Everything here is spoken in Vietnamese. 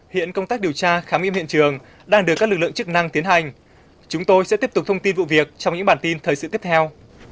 hiện công tác điều tra khám nghiệm hiện trường đang được các lực lượng chức năng tiến hành chúng tôi sẽ tiếp tục thông tin vụ việc trong những bản tin thời sự tiếp theo